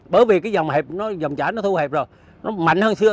bởi vì cái dòng chảy nó thu hẹp rồi nó mạnh hơn xưa